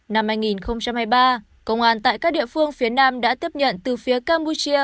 năm hai nghìn hai mươi ba công an tại các địa phương phía nam đã tiếp nhận từ phía campuchia